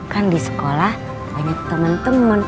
kan di sekolah ada teman teman